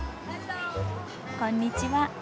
こんにちは。